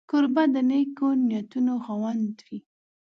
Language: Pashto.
کوربه د نېکو نیتونو خاوند وي.